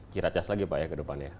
kiracas lagi pak ya ke depannya